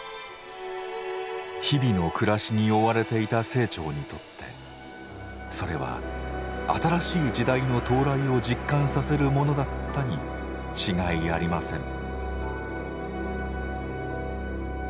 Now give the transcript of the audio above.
日々の暮らしに追われていた清張にとってそれは新しい時代の到来を実感させるものだったにちがいありません。